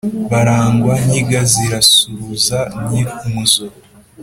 barangwa-nkiga zirasuruza nyenkuzo,